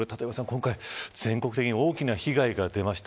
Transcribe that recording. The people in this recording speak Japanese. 今回、全国的に大きな被害が出ました。